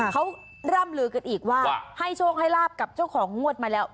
เขาร่ำลือกันอีกว่าให้โชคให้ลาบกับเจ้าของงวดมาแล้ว